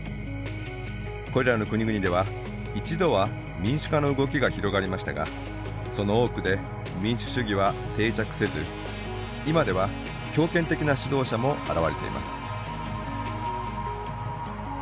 これらの国々では一度は民主化の動きが広がりましたがその多くで民主主義は定着せず今では強権的な指導者も現れています。